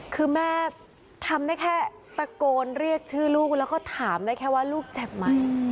คือแม่ทำได้แค่ตะโกนเรียกชื่อลูกแล้วก็ถามได้แค่ว่าลูกเจ็บไหม